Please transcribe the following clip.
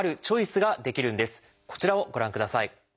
こちらをご覧ください。